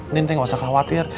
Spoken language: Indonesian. tintin gak usah khawatir